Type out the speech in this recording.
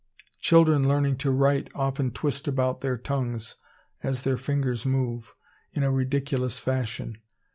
Children learning to write often twist about their tongues as their fingers move, in a ridiculous fashion.